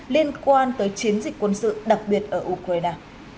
liên quan tới chiến dịch quân sự đặc biệt ở ukraine